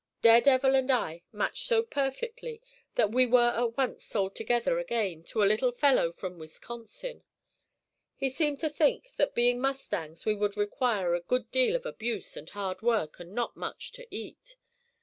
"Daredevil and I match so perfectly that we were at once sold together again to a little fellow from Wisconsin. He seemed to think that being mustangs we would require a good deal of abuse and hard work and not much to eat.